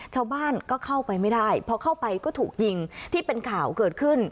ชาวบ้านก็เข้าไปไม่ได้พอเข้าไปก็ถูกยิงที่เป็นข่าวเกิดขึ้น